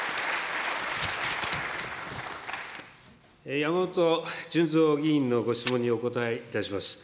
山本順三議員のご質問にお答えいたします。